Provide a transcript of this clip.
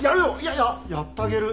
いやいややってあげる。